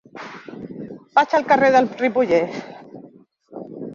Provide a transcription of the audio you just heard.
Vaig al carrer del Ripollès.